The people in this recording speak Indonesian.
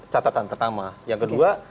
catatan pertama yang kedua